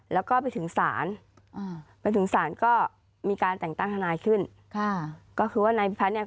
แล้วก็ไปถึงศาลอ่าไปถึงศาลก็มีการแต่งตั้งทนายขึ้นค่ะก็คือว่านายพิพัฒน์เนี่ย